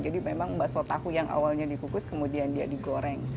jadi memang bakso tahu yang awalnya dikukus kemudian dia digoreng